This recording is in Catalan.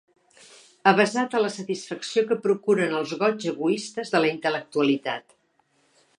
Avesat a la satisfacció que procuren els goigs egoistes de la intel·lectualitat.